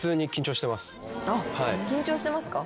緊張してますか？